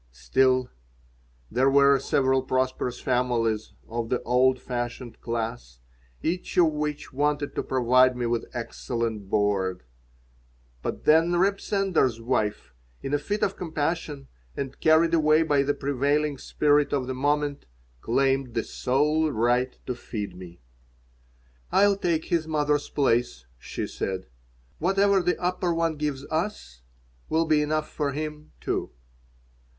Still, there were several prosperous families of the old fashioned class, each of which wanted to provide me with excellent board. But then Reb Sender's wife, in a fit of compassion and carried away by the prevailing spirit of the moment, claimed the sole right to feed me "I'll take his mother's place," she said. "Whatever the Upper One gives us will be enough for him, too."